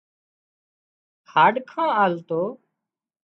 هاڏکان آلتو